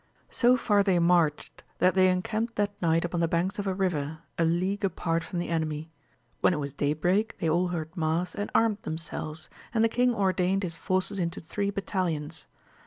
So far they marched, that they encamped that night upon the banks of a river, a league apart from the enemy. When it was day break, they all heard mass and armed themselves, and the king ordained his forces into three battalions.